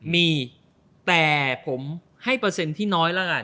มีแต่ผมให้เปอร์เซ็นต์ที่น้อยแล้วกัน